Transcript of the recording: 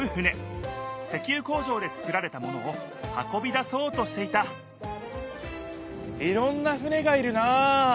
石ゆ工場で作られたものを運びだそうとしていたいろんな船がいるなあ！